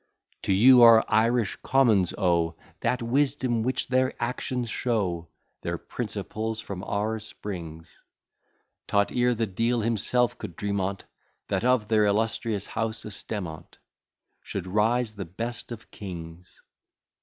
To you our Irish Commons owe That wisdom which their actions show, Their principles from ours springs, Taught, ere the deel himself could dream on't, That of their illustrious house a stem on't, Should rise the best of kings.